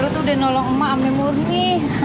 lo tuh udah nolong emak ambil murni